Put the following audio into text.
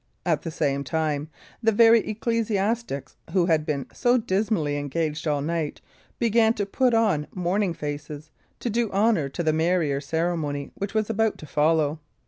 At the same time, the very ecclesiastics who had been so dismally engaged all night began to put on morning faces, to do honour to the merrier ceremony which was about to follow.